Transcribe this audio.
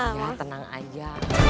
ya tenang aja